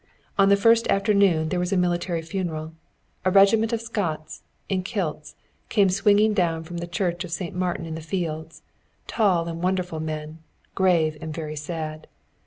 On the first afternoon there was a military funeral. A regiment of Scots, in kilts, came swinging down from the church of St. Martin in the Fields, tall and wonderful men, grave and very sad.